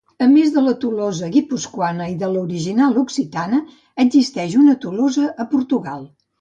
A més de la Tolosa guipuscoana i de l'original occitana, existeix una Tolosa a Portugal.